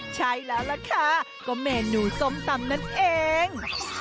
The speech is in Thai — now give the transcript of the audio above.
ใช่แล้วล่ะค่ะก็เมนูส้มตำนั่นเอง